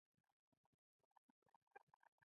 قوت د ګډو هڅو پایله ده.